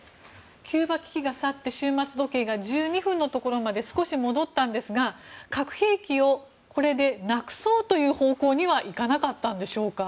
キューバ危機が去って終末時計が１２分のところまで少し戻ったんですが核兵器をこれでなくそうという方向にはいかなかったんでしょうか。